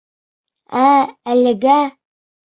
Ә әлегә!